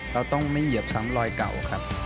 เราต้องไม่เหยียบซ้ำรอยเก่าครับ